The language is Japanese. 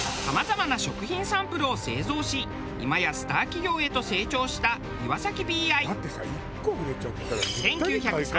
さまざまな食品サンプルを製造し今やスター企業へと成長したイワサキ・ビーアイ。